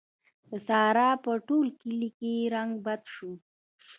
د سارا په ټول کلي کې رنګ بد شو.